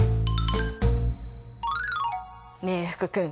ねえ福君